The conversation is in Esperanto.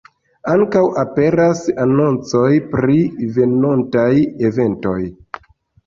Ankaŭ aperas anoncoj pri venontaj eventoj.